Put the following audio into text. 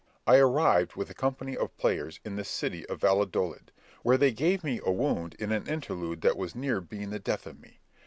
Berg. I arrived with a company of players in this city of Valladolid, where they gave me a wound in an interlude that was near being the death of me.